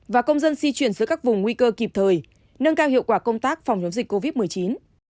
và công dân di chuyển giữa các vùng nguy cơ kịp thời nâng cao hiệu quả công tác phòng chống dịch covid một mươi chín